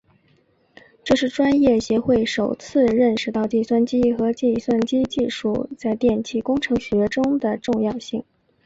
这是专业协会首次认识到计算机和计算机技术在电气工程学中的重要性。